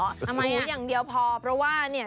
หมูอย่างเดียวพอเพราะว่าเนี่ย